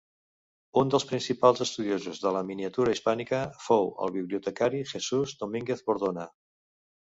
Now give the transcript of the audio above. Un dels principals estudiosos de la miniatura hispànica fou el bibliotecari Jesús Domínguez Bordona.